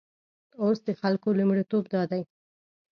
اوس د خلکو لومړیتوب دادی.